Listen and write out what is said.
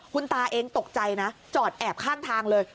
คุณตาเองตกใจนะจอดแอบข้างทางเลย